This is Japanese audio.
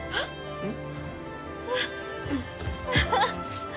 うん？